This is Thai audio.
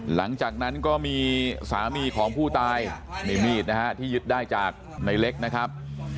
หลังจากนั้นก็มีสามีของผู้ตายมีมีดนะฮะที่ยึดได้จากในเล็กนะครับ